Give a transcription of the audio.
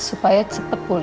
supaya cepat pulih